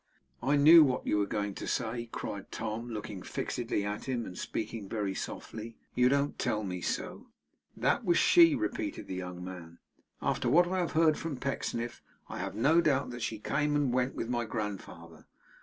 'I knew what you were going to say,' cried Tom, looking fixedly at him, and speaking very softly. 'You don't tell me so?' 'That was she,' repeated the young man. 'After what I have heard from Pecksniff, I have no doubt that she came and went with my grandfather.